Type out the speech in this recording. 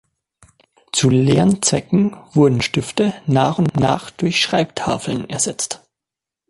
Zu Lernzwecken wurden Stifte nach und nach durch Schreibtafeln ersetzt.